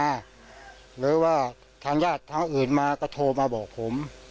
หรือว่าทางญาติทางอื่นมาก็โทรมาบอกผม